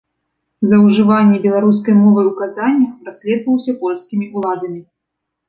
За ўжыванне беларускай мовы ў казаннях праследаваўся польскімі ўладамі.